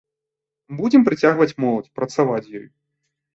Будзем прыцягваць моладзь, працаваць з ёй.